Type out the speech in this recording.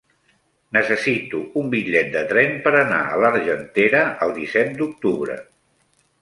Necessito un bitllet de tren per anar a l'Argentera el disset d'octubre.